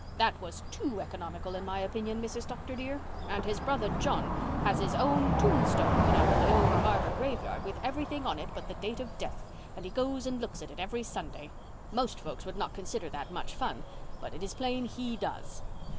"That was too economical in my opinion, Mrs. Dr. dear. And his brother John has his own tombstone put up in the over harbour graveyard, with everything on it but the date of death, and he goes and looks at it every Sunday. Most folks would not consider that much fun, but it is plain he does.